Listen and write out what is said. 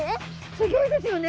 すギョいですよね。